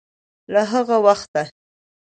له هغه وخته